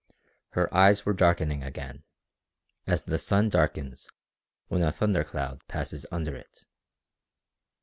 Her eyes were darkening again, as the sun darkens when a thunder cloud passes under it.